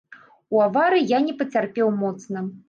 У аварыі я не пацярпеў моцна.